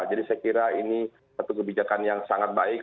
jadi saya kira ini satu kebijakan yang sangat baik